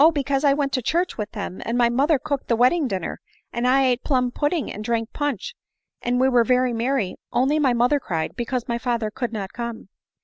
because I went to church with them, and my mother cooked the wedding dinner, and I ate plumb pudding and drank punch, and we were very merry only my mother cried, because my father could not come."